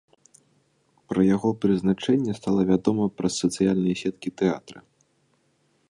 Пра яго прызначэнне стала вядома праз сацыяльныя сеткі тэатра.